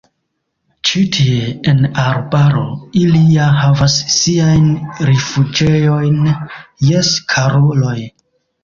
Ĉi tie, en arbaro, ili ja havas siajn rifuĝejojn, jes, karuloj.